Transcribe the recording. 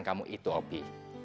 kau mengerti opi